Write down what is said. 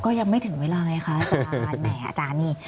ก็ยังไม่ถึงเวลาไงคะอาจารย์แหมอาจารย์นี่